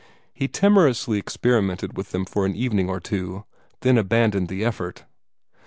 He timorously experimented with them for an evening or two, then abandoned the effort.